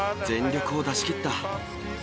全力を出し切った。